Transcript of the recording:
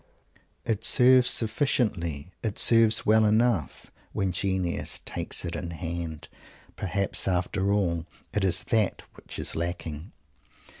It serves sufficiently; it serves well enough, when genius takes it in hand. Perhaps, after all, it is that which is lacking.